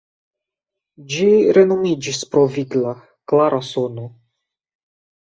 Ĝi renomiĝis pro vigla, klara sono.